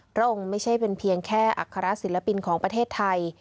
พระองค์ไม่ใช่เป็นเพียงแค่อัครศิลปินของประเทศไทย